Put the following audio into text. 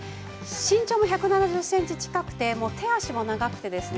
身長１７０センチ近くて手足も長くてですね